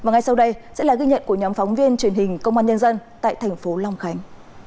và ngay sau đây sẽ là ghi nhận của nhóm phóng viên truyền hình công an nhân dân tại thành phố long khánh